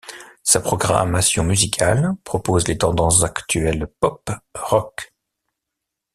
Sa programmation musicale propose les tendances actuelles Pop, rock.